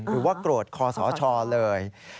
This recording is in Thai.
หรือว่าโกรธคอสชเลย